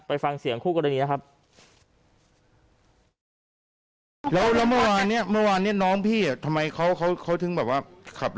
ไปฟังเสียงคู่กรณีนะครับ